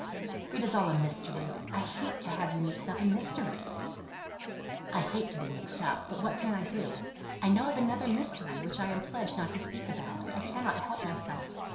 "It's all a mystery. I hate to have you mixed up in mysteries." "I hate to be mixed up. But what can I do? I know of another mystery which I'm pledged not to speak about. I cannot help myself."